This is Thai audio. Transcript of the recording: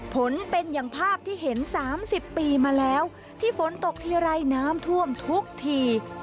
ผลเป็นอย่างภาพที่เห็น๓๐ปีมาแล้วที่ฝนตกทีไรน้ำท่วมทุกที